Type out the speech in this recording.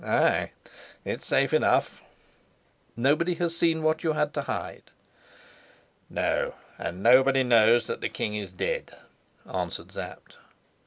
"Ay, it's safe enough!" "Nobody has seen what you had to hide?" "No; and nobody knows that the king is dead," answered Sapt.